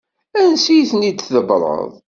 Ansi i ten-id-tḍebbreḍ?